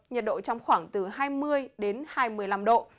nhiệt độ trong khoảng từ hai mươi đến hai mươi năm độ